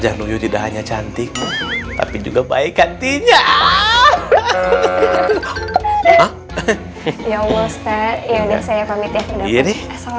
jahnuyo tidak hanya cantik tapi juga baik gantinya ya ustadz yaudah saya pamit ya